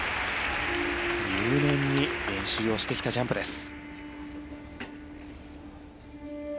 入念に練習をしてきたジャンプです。